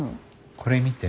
これ見て。